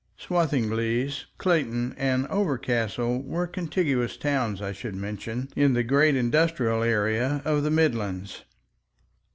(Swathinglea, Clayton, and Overcastle were contiguous towns, I should mention, in the great industrial area of the Midlands.)